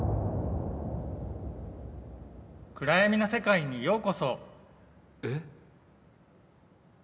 暗闇の世界にようこそ！え？